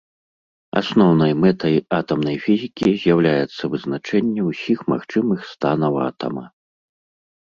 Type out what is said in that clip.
Асноўнай мэтай атамнай фізікі з'яўляецца вызначэнне ўсіх магчымых станаў атама.